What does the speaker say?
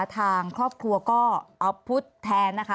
ทางครอบครัวก็เอาพุทธแทนนะคะ